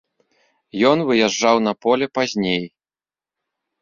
Ён выязджаў на поле пазней.